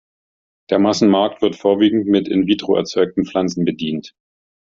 Der Massenmarkt wird vorwiegend mit in vitro erzeugten Pflanzen bedient.